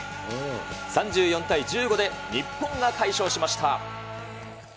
３４対１５で日本が快勝しました。